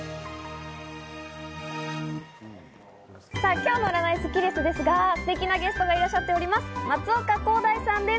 今日の占いスッキりすですが、すてきなゲストがいらっしゃっております。